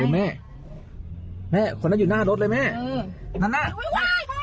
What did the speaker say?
แม่คนนั้นอยู่หน้ารถเลยแม่อื้อ